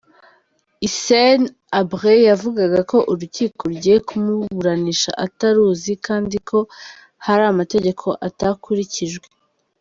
Hissène Habré yavugaga ko urukiko rugiye kumuburanisha ataruzi kandi ko hari amategeko atakurikijwe.